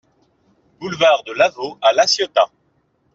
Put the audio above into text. Boulevard de Lavaux à La Ciotat